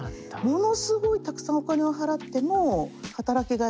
ものすごいたくさんお金を払っても働きがいがないと。